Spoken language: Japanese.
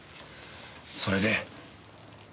それで？